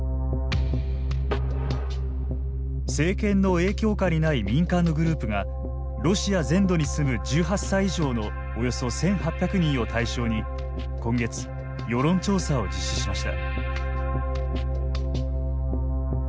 政権の影響下にない民間のグループがロシア全土に住む１８歳以上のおよそ１８００人を対象に今月、世論調査を実施しました。